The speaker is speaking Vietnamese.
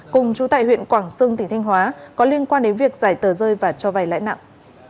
cùng chú tại huyện quảng sưng tp hóa có liên quan đến việc giải tờ rơi và cho vay lãi nặng